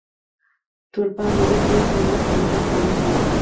ټوله پانګه اوس یو سل لس میلیونه افغانۍ ده